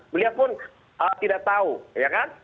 beliau pun tidak tahu ya kan